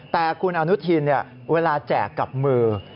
แต่คุณอนุทินเวลาแจกกับมือ